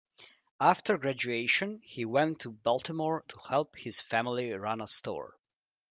After graduation, he went to Baltimore to help his family run a store.